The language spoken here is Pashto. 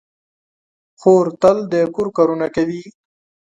خور تل د کور کارونه کوي.